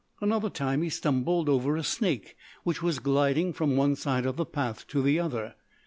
Another time he stumbled over a snake which was gliding from one side of the path to the other.